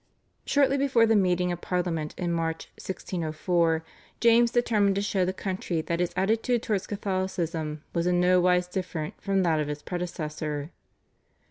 Shortly before the meeting of Parliament in March (1604) James determined to show the country that his attitude towards Catholicism was in no wise different from that of his predecessor.